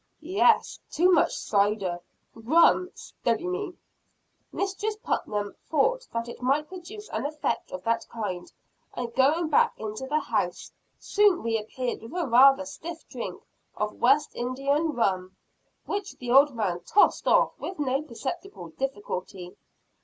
"Yes, too much cider. Rum steady me!" Mistress Putnam thought that it might produce an effect of that kind, and, going back into the house, soon reappeared with a rather stiff drink of West India rum; which the old man tossed off with no perceptible difficulty.